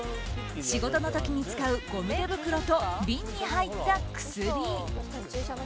仕事の時に使うゴム手袋と瓶に入った薬。